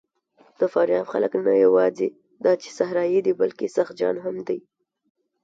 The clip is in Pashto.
د فاریاب خلک نه یواځې دا چې صحرايي دي، بلکې سخت جان هم دي.